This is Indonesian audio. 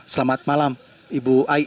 selamat malam ibu aik